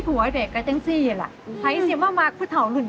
เป็นค่อยกับป่านย้อง